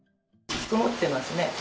曇ってますね。